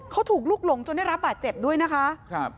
เขาถูกลุกหลงจนได้รับบาดเจ็บด้วยนะคะครับ